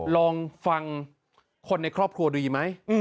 ลองฟังคนในครอบครัวดูดีไหม